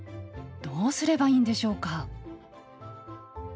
どうすればいいんでしょうか？